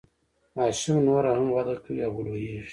ماشوم نوره هم وده کوي او لوییږي.